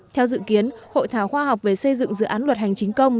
theo dự kiến hội thảo khoa học về xây dựng dự án luật hành chính công